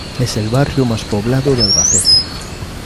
Es el barrio más poblado de Albacete.